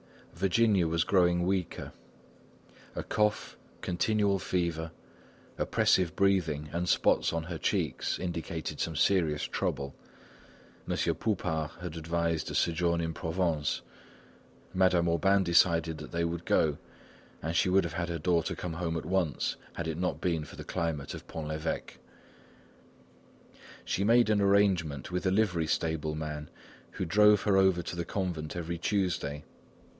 Virginia was growing weaker. A cough, continual fever, oppressive breathing and spots on her cheeks indicated some serious trouble. Monsieur Poupart had advised a sojourn in Provence. Madame Aubain decided that they would go, and she would have had her daughter come home at once, had it not been for the climate of Pont l'Evêque. She made an arrangement with a livery stable man who drove her over to the convent every Tuesday.